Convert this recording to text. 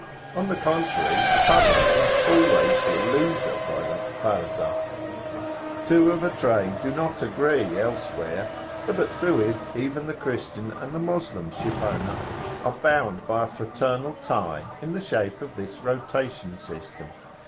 On the contrary, the public must always be a loser by the 'Farzah.' Two of a trade do not agree elsewhere; but at Suez even the Christian and the Moslem shipowner are bound by a fraternal tie, in the shape of this rotation system.